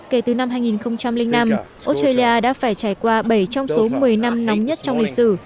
kể từ năm hai nghìn năm australia đã phải trải qua bảy trong số một mươi năm nóng nhất trong lịch sử